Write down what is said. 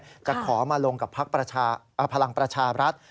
จะขอมาลงกับพักพลังประชารัฐ